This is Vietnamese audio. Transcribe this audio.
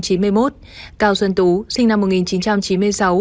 cao xuân tú sinh năm một nghìn chín trăm chín mươi sáu